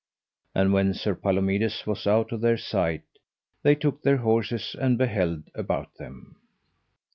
And when Sir Palomides was out of their sight they took their horses and beheld about them.